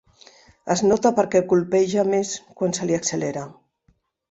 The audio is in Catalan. Es nota perquè colpeja més quan se li accelera.